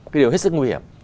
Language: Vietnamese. cái điều hết sức nguy hiểm